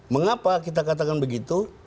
mengapa kita katakan begitu